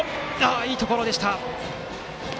いいところでした。